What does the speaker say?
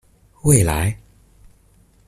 未來